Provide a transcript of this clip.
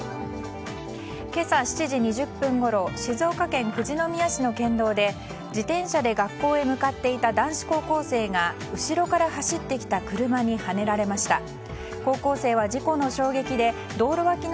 今朝７時２０分ごろ静岡県富士宮市の県道で自転車で学校へ向かっていた男子高校生が後ろから走ってきた車にはねられました。